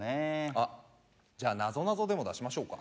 あっじゃあなぞなぞでも出しましょうか？